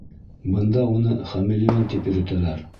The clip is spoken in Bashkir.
Бында уны хамелеон тип йөрөтәләр.